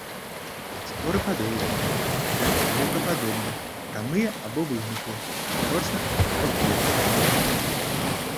Споры падоўжаныя, да іголкападобных, прамыя або выгнутыя, папярочна-чатырохклетачныя.